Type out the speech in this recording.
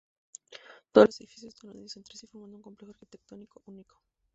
Todos los edificios están unidos entre sí, formando un complejo arquitectónico único.